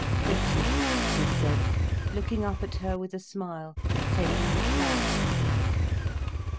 "Pretty!" he said, looking up at her with a smile, taking the flower.